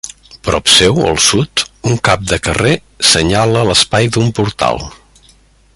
Prop seu, al sud, un cap de carrer senyala l'espai d'un portal.